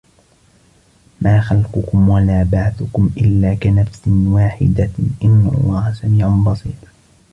ما خلقكم ولا بعثكم إلا كنفس واحدة إن الله سميع بصير